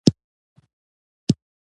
غریب د خیر تمه کوي